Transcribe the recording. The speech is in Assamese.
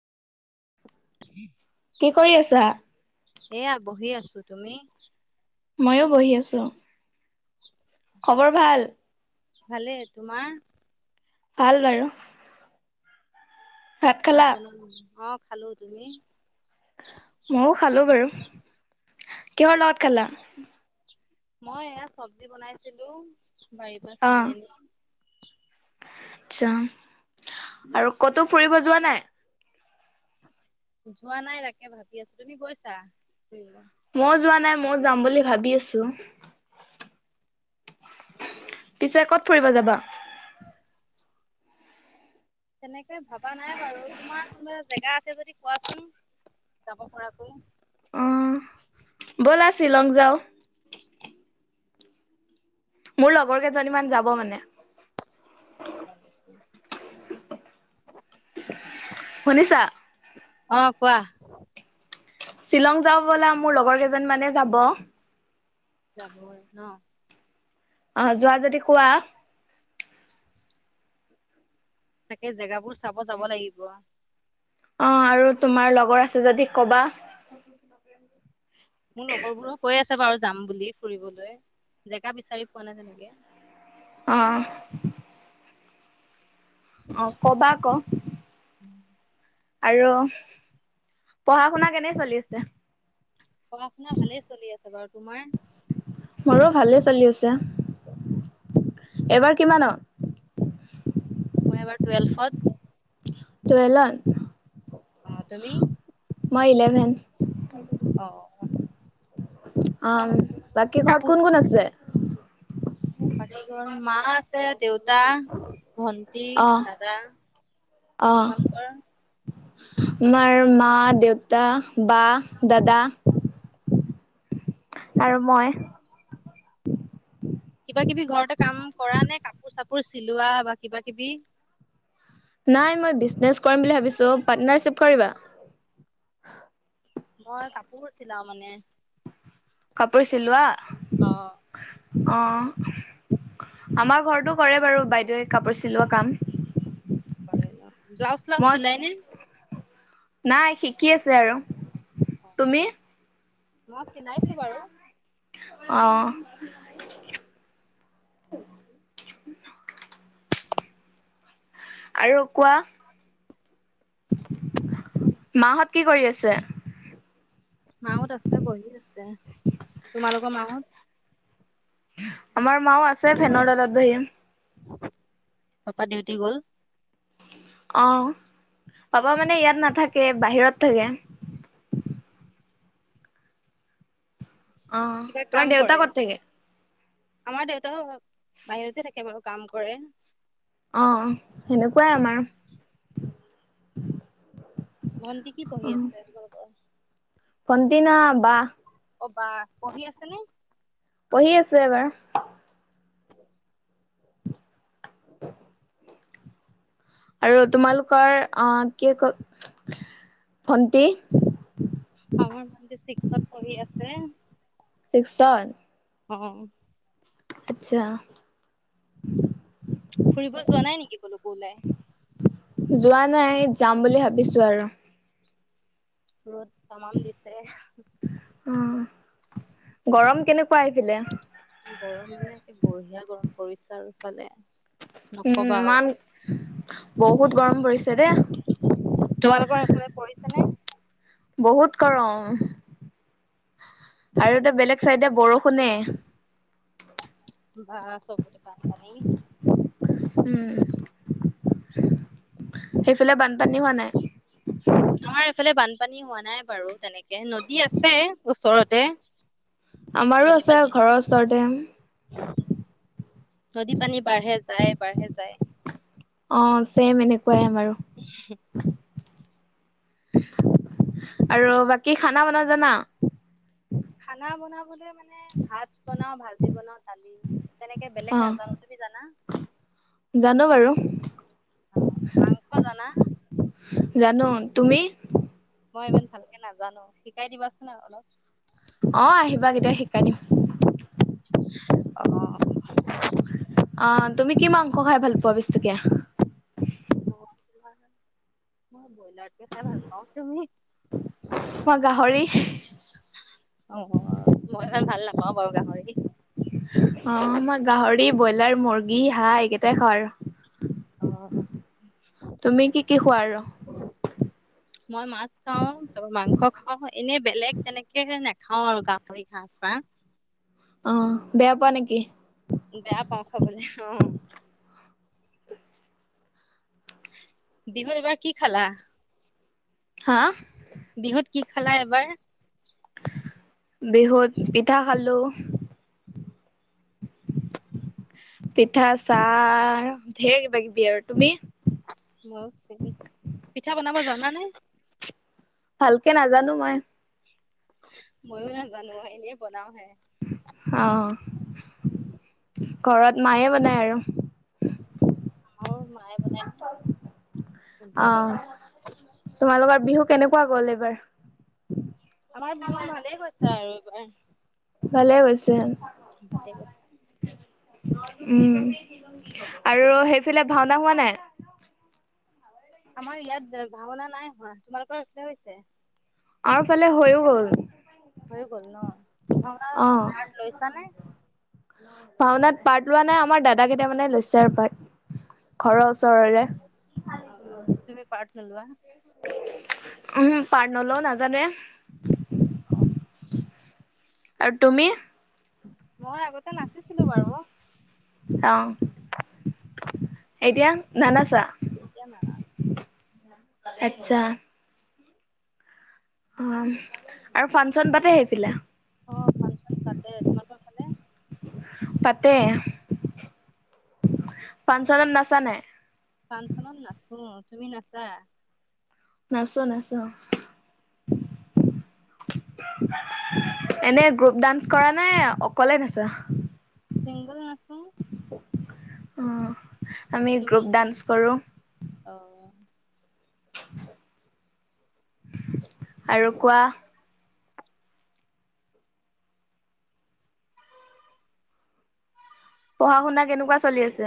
কি কৰি আছা? এয়া বহি আছো তুমি? ময়ো বহি আছোঁ। খবৰ ভাল। ভালে তোমাৰ। ভাল বাৰু। ভাত বন অ' খালো তুমি মইও খালো বাৰু কিহৰ লগত খালা। মই এয়াত চব্জি বনাইছিলো বাৰীৰ পৰা অ', চিঙি আনি। আচ্ছা আৰু কতো ফুৰিব যোৱা নাই। যোৱা নাই তাকে ভাবি আছো তুমি গৈছা ফুৰিব। মইও যোৱা নাই ময়ও যাম বুলি ভাবি আছো। পিছে ক'ত ফুৰিব যাবা। তেনেকে ভবা নাই বাৰু তোমাৰ কোনোবা জেগা আছে যদি কোৱাচোন। যাব পৰা কৈ অ', বলা শ্বিলং যাওঁ। মোৰ লগৰ কেইজনীমান যাব মানে। [inaudible] শুনিছা। অ'। কোৱা। শ্বিলং যাওঁ বোলা মোৰ লগৰ কেইজন মানে যাব। যাব ন। আহ যোৱা যদি কোৱা। চাকে জেগাবোৰ চাব যাব লাগিব। অ' আৰু তোমাৰ লগৰ আছে যদি কবা মোৰ লগৰ বোৰো কৈ আছে। বাৰু যাম বুলি ফুৰিবলৈ জেগা বিচাৰি পোৱা নাই তেনেকে। অহ। অ' কবা আকৌ। আৰু পঢ়া শুনা কেনে চলি আছে পঢ়া শুনা ভালেই চলি আছে বাৰু তোমাৰ। এবাৰ কিমানত মই এইবাৰ টোএলফত। [unintelligible] অ' তুমি মই ইলেভেন। অ'। অ' বাকী ঘৰত কাপোৰ কোন কোন আছে? বাকী ঘৰ মা আছে দেউতা ভন্টি অ'। দাদা। অ' তোমালোকৰ আমাৰ মা দেউতা বা দাদা। আৰু মই কিবা কিবি ঘৰতে কাম কৰা নে কাপোৰ চাপোৰ চিলোৱা বা কিবা কিবি। নাই মই বিজনেছ কৰিম ভাবিছোঁ, পাৰ্টনাৰশ্বিপ কৰিবা? মই কাপোৰ চিলাওঁ মানে কাপোৰ চিলোৱা, অ অ'। আমাৰ ঘৰতো কৰে বাৰু বাইদেৱে কাপোৰ চিলোৱা কাম। ব্লাউজ চ্লাউজ মই চিলাই নে? নাই শিকি আছে আৰু তুমি? অ' মই চিনাইছো বাৰু। অহ। উম। [inaudible] আৰু কোৱা। মাহঁত কি কৰি আছে? মাহোঁত আছে বহি আছে, তোমালোকৰ মাহোঁত? আমাৰ মা ও আছে ফেনৰ তলত বহি। পাপা ডিউটি গ'ল। অ', পাপা মানে ইয়াত নাথাকে বাহিৰত থাকে। অ', কিবা তোমাৰ কাম দেউতা কৰে? ক'ত থাকে?? আমাৰ দেউতাও বাহিৰতে থাকে বাৰু, কাম কৰে। অ', সেনেকুৱাই আমাৰ। ভণ্টি কি পঢ়ি আছে তোমালোকৰ? ভণ্টি নহয় বা। অ', বা পহি আছে নে? পঢ়ি আছোঁ এবাৰ। আৰু তোমালোকৰ? অ', কি ক ভন্টি আমাৰ মান ছিক্সত পঢ়ি আছে [unintelligible] অ'। আচ্ছা। ফুৰিব যোৱা নাই নেকি ক'লৈকো ওলাই? যোৱা নাই, যাম বুলি ভাবিছোঁ আৰু ৰ'দ তামাম দিছে অ', গৰম কেনেকুৱা সেইফালে? গৰম মানে একে বঢ়িয়া গৰম পৰিছে আৰু ইফালে। উম, নকবা আও। ইমান, বহুত গৰম পৰিছে দেই। তোমালোকৰ হেফালে পৰিছে নে? বহুত গৰম আৰু এটা বেলেগ চাইডে বৰষুণে বা চব বোকাপানী উম। সেইফালে বানপানী হোৱা নাই? আমাৰ এইফালে বানপানী হোৱা নাই বাৰু তেনেকে নদী আছে ওচৰতে। আমাৰো নদী আছে পানী, ঘৰৰ ওচৰতে নদী পানী বাঢ়ে যায়, বাঢ়ে যায়। অ', ছেম এনেকুৱাই আমাৰো আৰু বাকী খানা বনোৱা জানা? খানা বনাবলে মানে, ভাত বনাওঁ, ভাজি বনাওঁ, দালি। তেনেকে অ বেলেগ নাজানো, তুমি জানা? জানো বাৰু অ', মাংস জানা? জানো, তুমি? মই ইমান ভালকে নাজানো শিকাই দিবাচোন অলপ। অ', আহিবা কেতিয়া শিকাই দিম। অ', অ', তুমি কি মাংস খাই ভাল পোৱা বেছিকে। মই বইলাৰ। [unintelligible] ভাল পাওঁ তুমি মই গাহৰি অ', মই ইমান ভাল নাপাওঁ বাৰু গাহৰি। অ', মই গাহৰি, ব্ৰইলাৰ, মুৰ্গী, হাঁহ এইকেইটাই খাওঁ আৰু। অ'। বাৰু মই মাছ খাওঁ, তাৰপা মাংস খাওঁ, এনেই বেলেগ তেনেকে নেখাওঁ আৰু গাহৰি ঘাঁ চাহ অ', বেয়া পোৱা নেকি? বেয়া পাওঁ খাবলৈ অ', বিহুত এইবাৰ কি খালা? হা বিহুত কি খালা এবাৰ? বিহুত পিঠা খালোঁ। পিঠা চাহ ঢেৰ কিবা কিবি আৰু তুমি? পিঠা বনাব জানানে? ভালকে নাজানো মই ময়ো নাজানো এনে বনাওঁ হে। অ', ঘৰত মায়ে বনায় আৰু। [inaudible] আমাৰো মায়ে বনাই হে ভণ্টিয়ে অ', বনাই। তোমালোকৰ বিহু কেনেকুৱা গ'ল এইবাৰ? আমাৰ বিহু ভালেই গৈছে আৰু এইবাৰ। ভালে গৈছে ভালেই গৈছে। উম, আৰু সেইফালে ভাওনা হোৱা নাই? আমাৰ ইয়াত ভাওনা নাই হোৱা তোমালোকৰ [unintelligible] হৈছে? আৰুফালে হৈয়ো গল। হৈ গ'ল ন' ভাওনা অ', পাৰ্ট লৈছা নে? ভাওনাত পাৰ্ট লোৱা নাই আমাৰ দাদা কেইটা মানে লৈছে আৰু পাৰ্ট ঘৰৰ ওচৰৰে। অ', তুমি পাৰ্ট নুলুৱা? উম, পাৰ্ট নলওঁ নাজানোৱে। অ', আৰু তুমি? মই আগতে নাচিছিলোঁ বাৰু। অ', এতিয়া নানাচা? এতিয়া নানাচো। আচ্ছা। অ' আৰু ফংচন পাতে সেইফালে? অ', ফাংচন পাতে তোমালোকৰ ফালে? পাতে। ফাংচনত নাচা নাই? ফাংচনত নাচো তুমি নাচা? নাচো নাচো। [inaudible] এনে গ্ৰুপ ডান্স কৰা নে অকলে নাচা? চিংগল নাচো। অ', আমি তুমি গ্ৰুপ ডান্স কৰোঁ। অ', আৰু কোৱা? পঢ়া শুনা কেনেকুৱা চলি আছে?